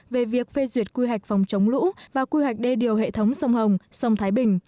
về việc phê duyệt quy hoạch phòng chống lũ và quy hoạch đê điều hệ thống sông hồng sông thái bình